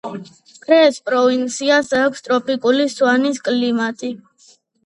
ფრეს პროვინციას აქვს ტროპიკული სავანის კლიმატი.